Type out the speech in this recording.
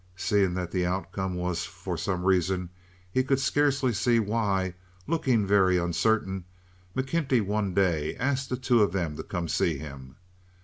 Seeing that the outcome was, for some reason—he could scarcely see why—looking very uncertain, McKenty one day asked the two of them to come to see him.